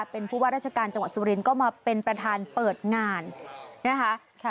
เป็นผู้ว่าราชการจังหวัดสุรินทร์ก็มาเป็นประธานเปิดงานนะคะ